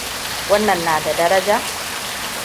Wannan na da daraja?